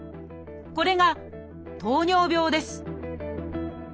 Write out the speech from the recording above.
これが「糖尿病」です